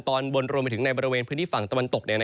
ตอนบนรวมไปถึงในบริเวณพื้นที่ฝั่งตะวันตก